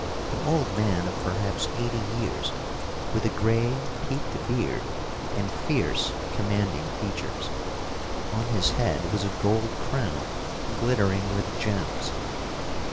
An old man, of perhaps eighty years, with a grey peaked beard and fierce, commanding features. On his head was a gold crown glittering with gems.